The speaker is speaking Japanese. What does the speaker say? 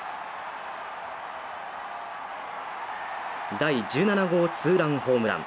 第１７号ツーランホームラン。